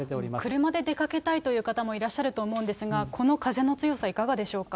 車で出かけたいという方もいらっしゃると思うんですが、この風の強さ、いかがでしょうか。